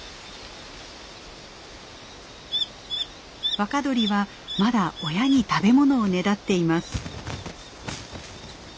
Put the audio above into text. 若鳥はまだ親に食べ物をねだっています。